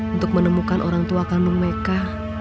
untuk menemukan orang tua kandung mereka